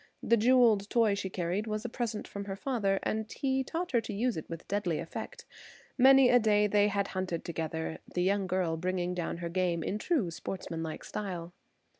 The jewelled toy she carried was a present from her father, and he had taught her to use it with deadly effect. Many a day they had hunted together, the young girl bringing down her game in true sportsmanlike style.